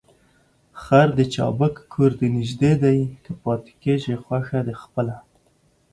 خر دي چابک کور دي نژدې دى ، که پاته کېږې خوښه دي خپله.